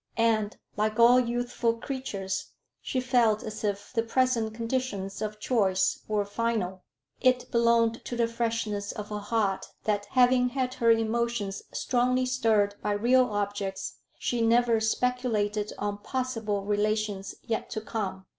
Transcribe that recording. And, like all youthful creatures, she felt as if the present conditions of choice were final. It belonged to the freshness of her heart that, having had her emotions strongly stirred by real objects, she never speculated on possible relations yet to come.